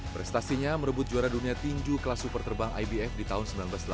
prestasinya merebut juara dunia tinju kelas super terbang ibf di tahun seribu sembilan ratus delapan puluh